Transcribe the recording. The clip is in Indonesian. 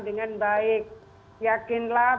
dengan baik yakinlah